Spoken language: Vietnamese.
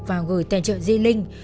và gửi tên trợ dây linh